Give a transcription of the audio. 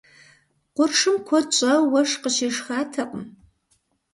Къуршым куэд щӏауэ уэшх къыщешхатэкъым.